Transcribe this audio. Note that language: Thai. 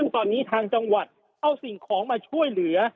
ตอนนี้ทางจังหวัดเอาสิ่งของมาช่วยเหลือ